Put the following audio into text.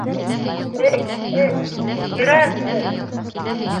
— Эй, эт, ерән эт!